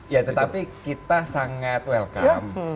ya tetapi kita sangat welcome